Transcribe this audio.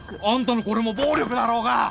あんたのこれも暴力だろうが！